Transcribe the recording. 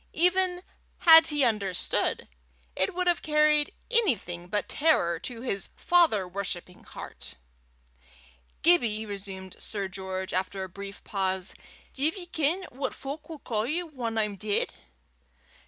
Even had he understood, it would have carried anything but terror to his father worshipping heart. "Gibbie," resumed Sir George, after a brief pause, "div ye ken what fowk'll ca' ye whan I'm deid?"